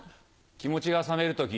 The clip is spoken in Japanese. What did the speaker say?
気持ちが冷める時。